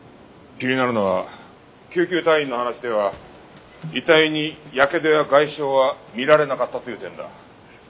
気になるのは救急隊員の話では遺体にやけどや外傷は見られなかったという点だ。